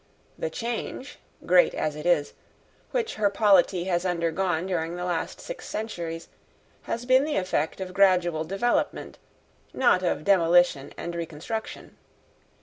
The change, great as it is, which her polity has undergone during the last six centuries, has been the effect of gradual development, not of demolition and reconstruction.